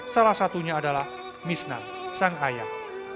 salah satunya adalah misnan sang ayah